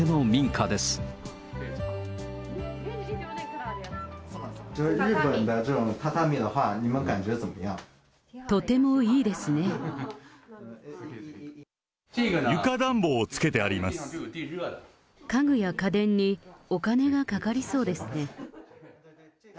家具や家電にお金がかかりそうですね。